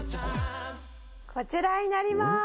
「こちらになりまーす！」